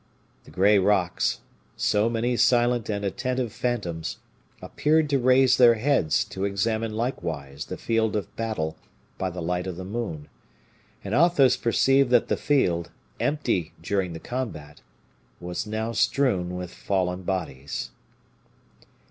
The gray rocks, so many silent and attentive phantoms, appeared to raise their heads to examine likewise the field of battle by the light of the moon, and Athos perceived that the field, empty during the combat, was now strewn with fallen bodies.